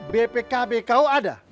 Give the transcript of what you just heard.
bpkb kau ada